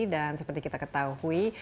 dan seperti kita ketahui